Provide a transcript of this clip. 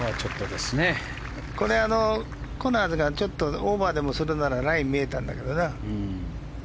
これ、コナーズがちょっとオーバーでもするならラインが見えたんだけどな。